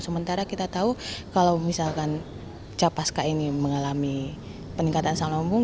sementara kita tahu kalau misalkan capaska ini mengalami peningkatan sama ombung